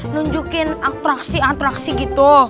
nunjukin atraksi atraksi gitu